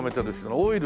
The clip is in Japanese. オイルで？